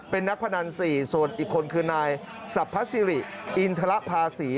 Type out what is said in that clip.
เป็นนักพนัน๔ส่วนอีกคนคือนายสรรพสิริอินทรภาษี